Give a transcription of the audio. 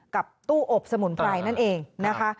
กับตู้อบสมุนไพรนั่นเองนะคะ